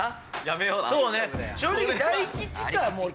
正直。